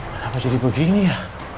kenapa jadi begini ya